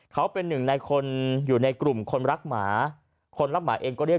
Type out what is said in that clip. เขาเป็นหนึ่งในคนอยู่ในกลุ่มคนรักหมาคนรักหมาเองก็เรียก